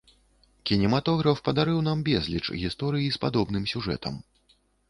Кінематограф падарыў нам безліч гісторый з падобным сюжэтам.